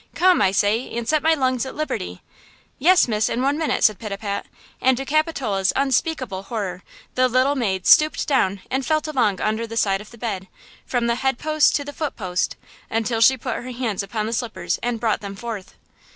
Come, I say, and set my lungs at liberty." "Yes, miss, in one minute," said Pitapat; and to Capitola's unspeakable horror the little maid stooped down and felt along under the side of the bed, from the head post to the foot post, until she put her hands upon the slippers and brought them forth!